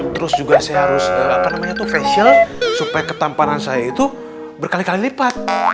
terus juga saya harus facial supaya ketampanan saya itu berkali kali lipat